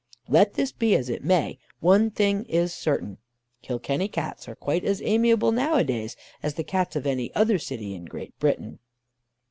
Let this be as it may, one thing is certain: Kilkenny Cats are quite as amiable now a days as the Cats of any other city in Great Britain.